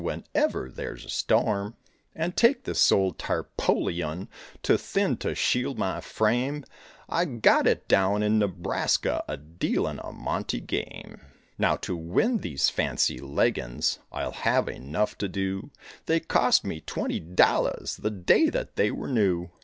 Whenever there's a storm. And take this old "tarpoleon," Too thin to shield my frame, I got it down in Nebraska A dealin' a Monte game. Now to win these fancy leggins I'll have enough to do; They cost me twenty dollars The day that they were new.